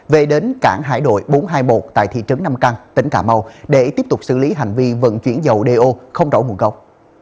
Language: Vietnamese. về đến cảng hải đội bốn trăm hai mươi một tại thị trấn nam căng tỉnh cà mau để tiếp tục xử lý hành vi vận chuyển dầu do không rõ nguồn gốc